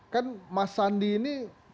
kan mas sandi ini